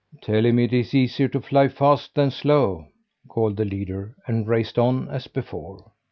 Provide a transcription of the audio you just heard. "Tell him it's easier to fly fast than slow!" called the leader, and raced on as before.